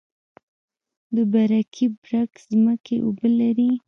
د برکي برک ځمکې اوبه لري